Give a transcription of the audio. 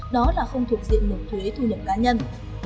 đó là không thuộc diện nộp thuế thu nhập cá nhân